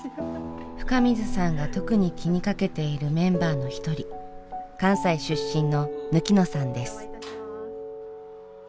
深水さんが特に気にかけているメンバーの一人関西出身のぬきのさんです。